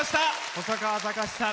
細川たかしさん